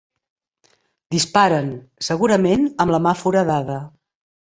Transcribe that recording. Disparen, segurament amb la mà foradada.